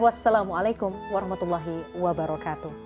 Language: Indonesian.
wa s salamu alaikum wa rahmatullahi wa barakatuh